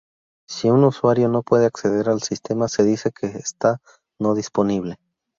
Si un usuario no puede acceder al sistema se dice que está no disponible.